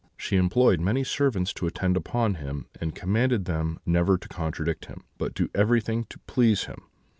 She employed many servants to attend upon him, and commanded them never to contradict him, but to do everything to please him.